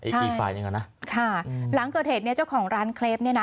อีกฝ่ายหนึ่งอ่ะนะค่ะหลังเกิดเหตุเนี้ยเจ้าของร้านเคลปเนี่ยนะ